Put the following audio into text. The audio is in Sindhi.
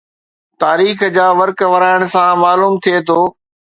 تاريخ جا ورق ورائڻ سان معلوم ٿئي ٿو